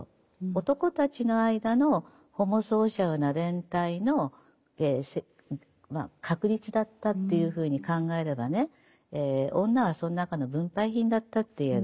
男たちの間のホモソーシャルな連帯の確立だったというふうに考えればね女はその中の分配品だったって言える。